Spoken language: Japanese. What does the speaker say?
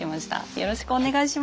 よろしくお願いします。